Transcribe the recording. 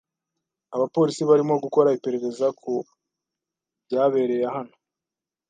Abapolisi barimo gukora iperereza ku byabereye hano.